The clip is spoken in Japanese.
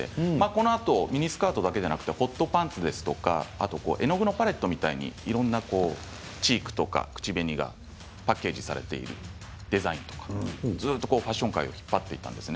このあとミニスカートだけではなくホットパンツですとか絵の具のパレットみたいにいろんなチークとか口紅がパッケージされているもののデザインとかファッション界を引っ張っていったんです。